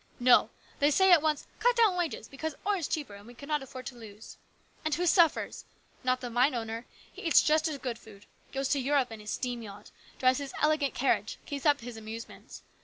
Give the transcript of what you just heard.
No; they say at once, ' Cut down wages, because ore is cheaper and we cannot afford to lose.' And who suffers? Not the mine owner. He eats just as good food, goes to Europe in his steam yacht, drives his elegant carriage, keeps up his amusements.